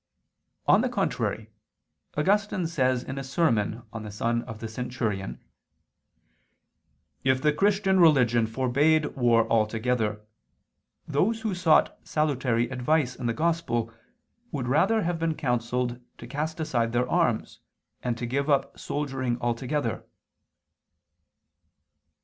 On the contrary, Augustine says in a sermon on the son of the centurion [*Ep. ad Marcel. cxxxviii]: "If the Christian Religion forbade war altogether, those who sought salutary advice in the Gospel would rather have been counselled to cast aside their arms, and to give up soldiering altogether.